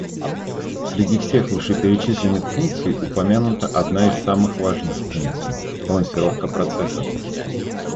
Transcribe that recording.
Среди всех вышеперечисленных функций упомянута одна из самых важных функций – балансировка процессов